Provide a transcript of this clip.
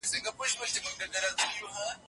خو خطرونه هم لري.